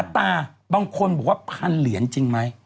ตาบางคนบอกว่าพันเหรียญจริงไหม